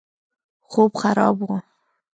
خوب خراب وو.